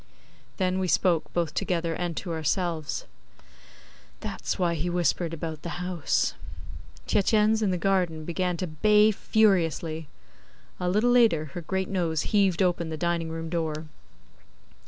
Then we spoke, both together and to ourselves: 'That's why he whispered about the house.' Tietjens, in the garden, began to bay furiously. A little later her great nose heaved open the dining room door.